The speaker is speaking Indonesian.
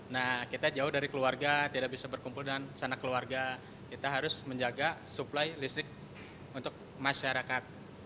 nah kita jauh dari keluarga tidak bisa berkumpul dengan sana keluarga kita harus menjaga suplai listrik untuk masyarakat